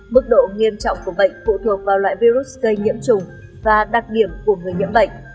mức độ nghiêm trọng của bệnh phụ thuộc vào loại virus gây nhiễm trùng và đặc điểm của người nhiễm bệnh